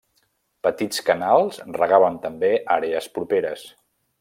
Petits canals regaven també àrees properes.